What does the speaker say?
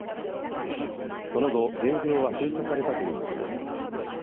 その後、霊びょうは封鎖されたということです。